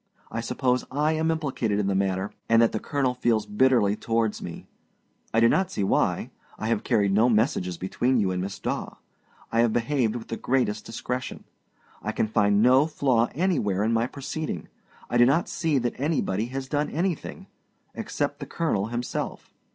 I suppose I am implicated in the matter, and that the colonel feels bitterly towards me. I do not see why: I have carried no messages between you and Miss Daw; I have behaved with the greatest discretion. I can find no flaw anywhere in my proceeding. I do not see that anybody has done anything except the colonel himself.